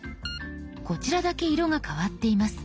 こちらだけ色が変わっています。